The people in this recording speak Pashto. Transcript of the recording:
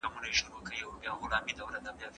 که د بل چا پر ميرمني باندي حق وو.